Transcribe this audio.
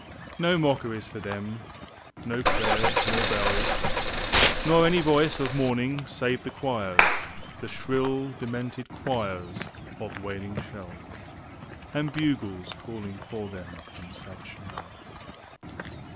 No mockeries for them; no prayers nor bells, Nor any voice of mourning save the choirs, The shrill, demented choirs of wailing shells; And bugles calling for them from sad shires.